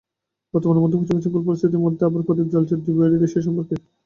বর্তমানে মধ্যপ্রাচ্যে বিশৃঙ্খল পরিস্থিতির মধ্যে আশার প্রদীপ জ্বলছে দুই বৈরী দেশের সম্পর্কে।